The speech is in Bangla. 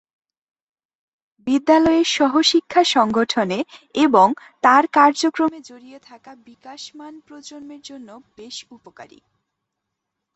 বিদ্যালয়ের সহশিক্ষা সংগঠনে এবং তার কার্যক্রমে জড়িত থাকা বিকাশমান প্রজন্মের জন্য বেশ উপকারী।